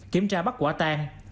kiểm tra bắt quả tan